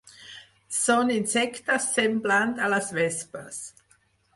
Són insectes semblant a les vespes.